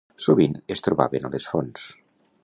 Sovint es trobaven a les fonts.